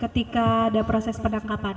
ketika ada proses penangkapan